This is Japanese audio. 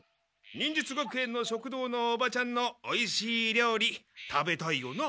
忍術学園の食堂のおばちゃんのおいしい料理食べたいよな？